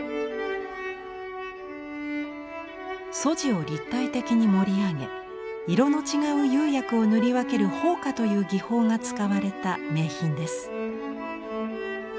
素地を立体的に盛り上げ色の違う釉薬を塗り分ける法花という技法が使われた名品です。